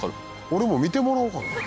俺も見てもらおうかな。